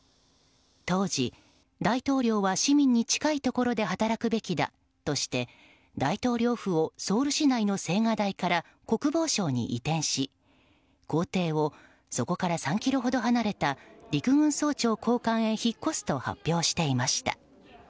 当時、大統領は市民に近いところで働くべきだとして大統領府をソウル市内の青瓦台から国防省に移転し公邸をそこから３ｋｍほど離れた陸軍総長公館へ引っ越すと発表していました。